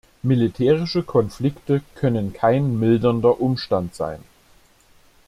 Militärische Konflikte können kein mildernder Umstand sein.